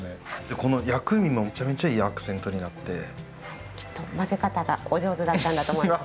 この薬味もめちゃめちゃいいアクセントになってきっと混ぜ方がお上手だったんだと思います